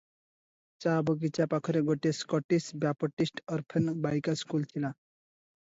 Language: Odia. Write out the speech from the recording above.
ଚା ବଗିଚା ପାଖରେ ଗୋଟିଏ ସ୍କଟିଶ୍ ବ୍ୟାପଟିଷ୍ଟ ଅର୍ଫେନ ବାଳିକା ସ୍କୁଲ ଥିଲା ।